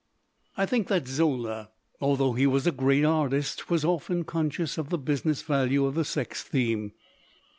"I think that Zola, although he was a great artist, was often conscious of the business value of the sex theme.